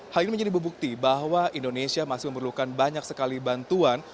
hal ini menjadi bukti bahwa indonesia masih memerlukan banyak sekali bantuan